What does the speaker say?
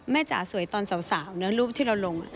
แม่เจ้าสวยตอนสาวในรูปที่เราลง